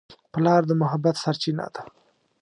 پلار د محبت سرچینه ده.